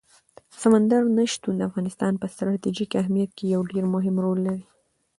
سمندر نه شتون د افغانستان په ستراتیژیک اهمیت کې یو ډېر مهم رول لري.